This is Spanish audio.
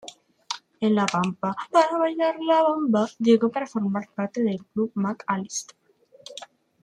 En La Pampa, llegó para formar parte del club Mac Allister.